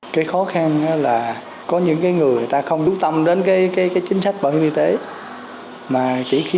cái khó khăn là có những người người ta không đú tâm đến cái chính sách bảo hiểm y tế mà chỉ khi